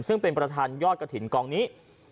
ซึ่งเป็นประธานยอดกระถิ่นกองนี้